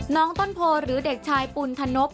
น้องต้นโพหรือเด็กชายปุณธนบ